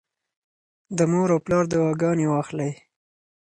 د مور او پلار دعاګانې واخلئ.